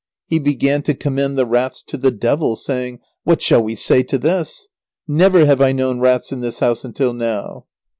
He began to commend the rats to the devil, saying, "What shall we say to this! Never have I known rats in this house until now."